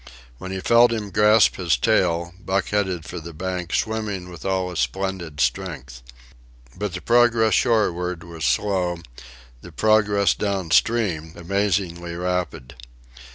When he felt him grasp his tail, Buck headed for the bank, swimming with all his splendid strength. But the progress shoreward was slow; the progress down stream amazingly rapid.